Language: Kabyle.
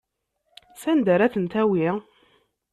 Sanda ara ten-tawi?